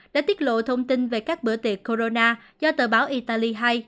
đã tiết lộ thông tin về các bữa tiệc corona do tờ báo italy hai